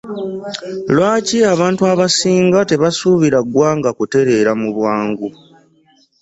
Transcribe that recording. Lwaki abantu abasinga tebasuubira ggwanga kutereera mu bwangu?